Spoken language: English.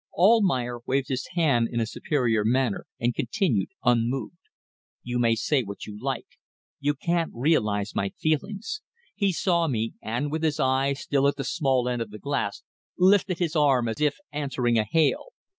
Almayer waved his hand in a superior manner, and continued, unmoved: "You may say what you like. You can't realize my feelings. He saw me, and, with his eye still at the small end of the glass, lifted his arm as if answering a hail.